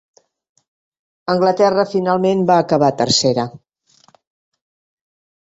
Anglaterra finalment va acabar tercera.